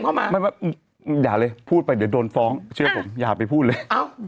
อย่าเลยคุณแม่พูดไปเดี๋ยวโดนฟ้องเชื่อผมอย่าไปพูดเลย